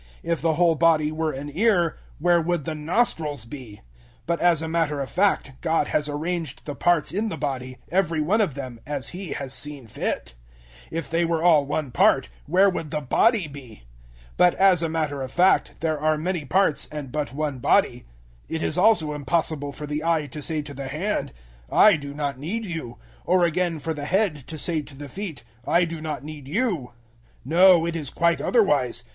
If the whole body were an ear, where would the nostrils be? 012:018 But, as a matter of fact, God has arranged the parts in the body every one of them as He has seen fit. 012:019 If they were all one part, where would the body be? 012:020 But, as a matter of fact, there are many parts and but one body. 012:021 It is also impossible for the eye to say to the hand, "I do not need you;" or again for the head to say to the feet, "I do not need you." 012:022 No, it is quite otherwise.